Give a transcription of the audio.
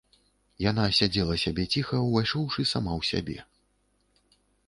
Яна сядзела сабе ціха, увайшоўшы сама ў сябе.